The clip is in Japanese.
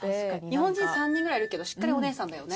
日本人３人ぐらいいるけどしっかりお姉さんだよね。